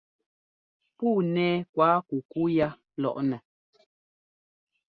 Puu nɛ́ kuákukú yá lɔʼnɛ.